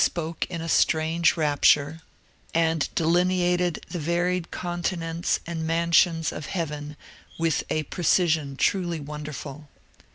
294 MONCURE DANIEL CONWAY and delineated the Taried continents and mansions of heaven with a precision truly wonderful.